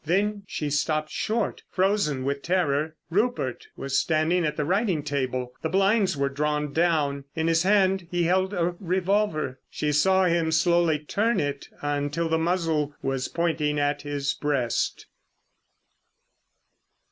Then she stopped short, frozen with terror. Rupert was standing at the writing table. The blinds were drawn down. In his hand he held a revolver. She saw him slowly turn it until the muzzle was pointing at his breast.